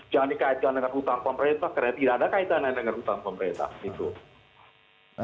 jangan dikaitkan dengan utang pemerintah karena tidak ada kaitannya dengan utang pemerintah